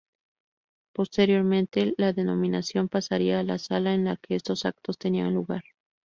Posteriormente, la denominación pasaría a la sala en la que estos actos tenían lugar.